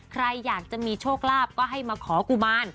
ใครอยากจะมีโชคลาภก็ให้มาขอกุมาร